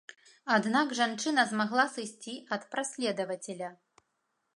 Аднак жанчына змагла сысці ад праследавацеля.